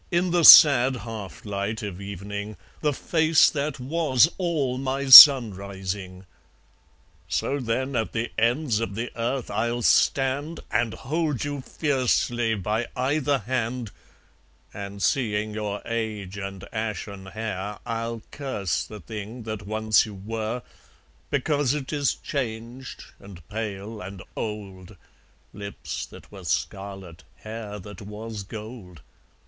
In the sad half light of evening, The face that was all my sunrising. So then at the ends of the earth I'll stand And hold you fiercely by either hand, And seeing your age and ashen hair I'll curse the thing that once you were, Because it is changed and pale and old (Lips that were scarlet, hair that was gold!)